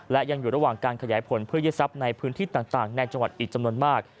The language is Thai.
และยังอยู่ระหว่างการขยายผลเพื่อยึดทรัพย์ในพื้นที่ต่างในจังหวัดอีกจำนวนมาก